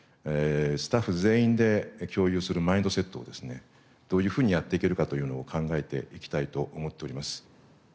スタッフ全員で共有するマインドセットをですねどういうふうにやっていけるかというのを考えていきたいと思っております。